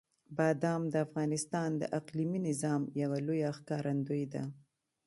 بادام د افغانستان د اقلیمي نظام یوه لویه ښکارندوی ده.